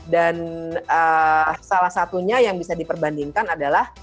dan salah satunya yang bisa diperbandingkan adalah